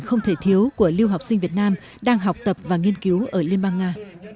không thể thiếu của lưu học sinh việt nam đang học tập và nghiên cứu ở liên bang nga